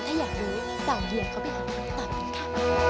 ถ้าอยากรู้ตอบเหลี่ยเขาไปหาคำตอบนี้ค่ะ